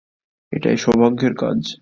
এটাই সৌভাগ্যের কাজ।